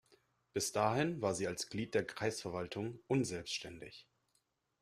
Bis dahin war sie als Glied der Kreisverwaltung unselbständig.